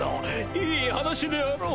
いい話であろう？